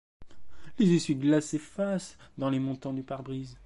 Les essuie-glaces s’effacent dans les montants du pare-brise.